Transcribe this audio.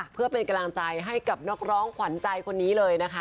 เพื่อเป็นกำลังใจให้กับนักร้องขวัญใจคนนี้เลยนะคะ